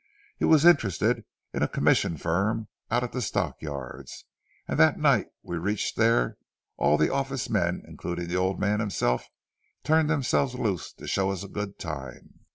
He was interested in a commission firm out at the stockyards, and the night we reached there all the office men, including the old man himself, turned themselves loose to show us a good time.